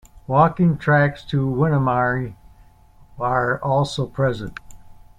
Walking tracks to Winmalee are also present.